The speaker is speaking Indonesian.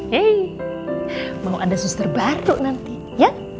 hei mau ada suster baru nanti ya